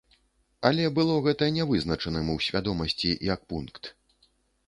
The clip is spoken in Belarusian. Але было гэта нявызначаным у свядомасці, як пункт.